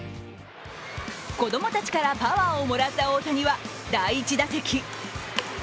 子供たちからパワーをもらった大谷は第１打席。